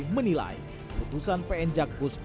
menilai putusan pn jakus